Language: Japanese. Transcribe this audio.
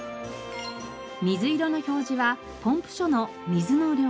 水色の表示はポンプ所の水の量。